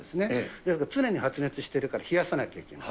いわゆる常に発熱してるから冷やさないといけない。